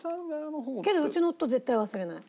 けどうちの夫絶対忘れない。